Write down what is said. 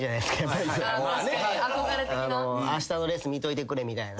「あしたのレース見といてくれ」みたいな。